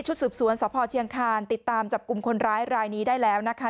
สืบสวนสพเชียงคานติดตามจับกลุ่มคนร้ายรายนี้ได้แล้วนะคะ